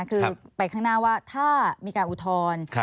คือไปข้างหน้าว่าถ้ามีการอุทธรณ์